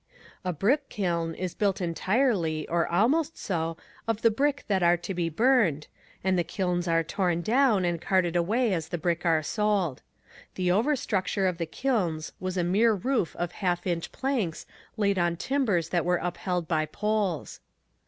A brick kiln is built entirely, or almost so, of the brick that are to be burned, and the kilns are torn down and carted away as the brick are sold. The over structure of the kilns was a mere roof of half inch planks laid on timbers that were upheld by poles.